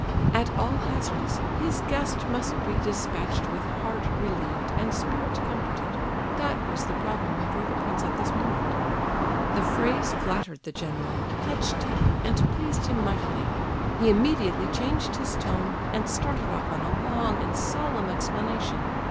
At all hazards, his guest must be despatched with heart relieved and spirit comforted; that was the problem before the prince at this moment. The phrase flattered the general, touched him, and pleased him mightily. He immediately changed his tone, and started off on a long and solemn explanation.